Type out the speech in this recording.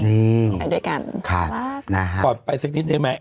ไปด้วยกันบ๊าบนะครับขอบไปสักนิดหน่อยไหม